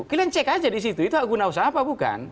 kalian cek aja di situ itu hak guna usaha apa bukan